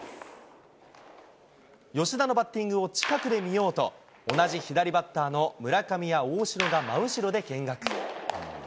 吉田のバッティングを近くで見ようと、同じ左バッターの村上や大城が真後ろで見学。